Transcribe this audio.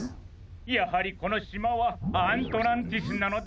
やはりこのしまはアントランティスなのだ！